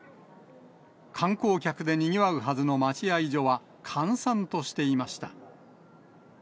観光客でにぎわうはずの待合所は、閑散としていました。